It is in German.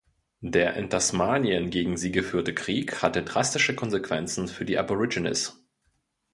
Der in Tasmanien gegen sie geführte Krieg hatte drastische Konsequenzen für die Aborigines.